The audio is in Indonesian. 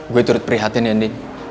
gue turut prihatin ya nih